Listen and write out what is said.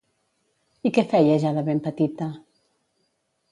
I què feia ja de ben petita?